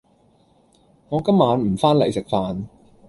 我今晚唔返黎食飯.